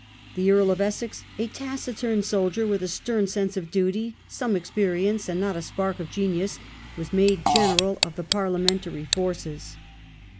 The Earl of Essex, a taciturn soldier, with a stern sense of duty, some experience, and not a spark of genius, was made general of the Parlia mentary forces.